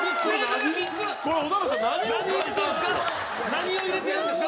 何を入れてるんですか？